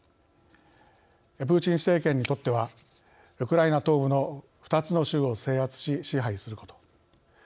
プーチン政権にとってはウクライナ東部の２つの州を制圧し支配すること。